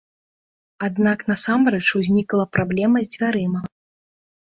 Аднак насамрэч узнікла праблема з дзвярыма.